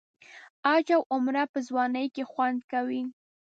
حج او عمره په ځوانۍ کې خوند کوي.